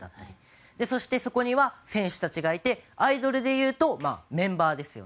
そしてそこには選手たちがいてアイドルでいうとまあメンバーですよね。